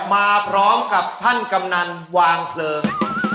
มาพร้อมกับท่านกำนันวางเพลิง